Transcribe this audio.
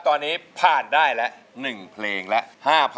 ตอนนี้ผ่านได้แล้ว๑เพลงแล้ว